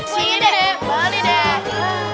sini dek balik deh